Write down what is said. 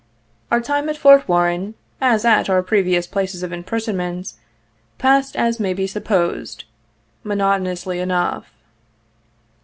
Our time at Fort Warren, as at our previous places of imprisonment, passed as may be supposed, monotonously enough.